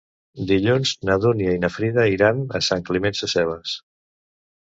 Dilluns na Dúnia i na Frida iran a Sant Climent Sescebes.